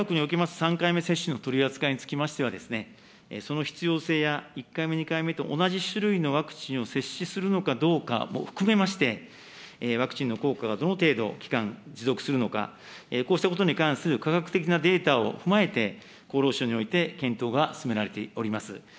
３回目接種の取り扱いにつきましては、その必要性や、１回目、２回目と同じ種類のワクチンを接種するのかどうかも含めまして、ワクチンの効果がどの程度期間持続するのか、こうしたことに関する科学的なデータを踏まえて、厚労省において、検討が進められております。